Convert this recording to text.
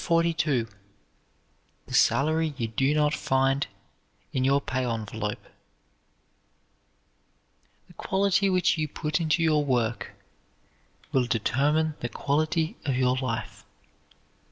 CHAPTER XLII THE SALARY YOU DO NOT FIND IN YOUR PAY ENVELOPE The quality which you put into your work will determine the quality of your life.